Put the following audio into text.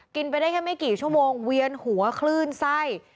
กินไปได้แค่ไม่กี่ชั่วโมงเวียนหัวคลื่นไส้